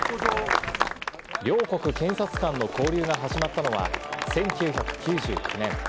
両国検察官の交流が始まったのは、１９９９年。